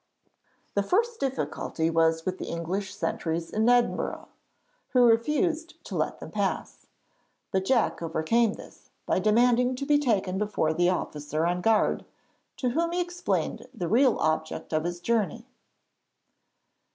The first difficulty was with the English sentries in Edinburgh, who refused to let them pass; but Jack overcame this by demanding to be taken before the officer on guard, to whom he explained the real object of his journey.